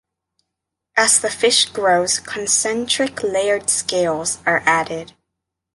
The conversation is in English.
As the fish grows, concentric layered scales are added.